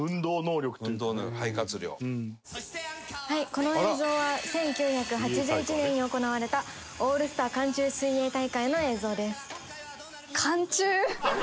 「この映像は１９８１年に行われたオールスター寒中水泳大会の映像です」